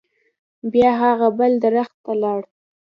بیا هغه بل درخت ته لاړ.